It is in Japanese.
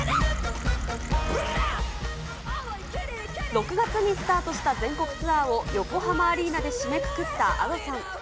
６月にスタートした全国ツアーを横浜アリーナで締めくくったＡｄｏさん。